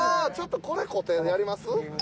ちょっとこれ固定でやります？